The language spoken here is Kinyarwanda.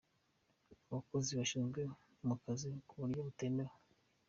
Abakozi bashyizwe mu kazi mu buryo butemewe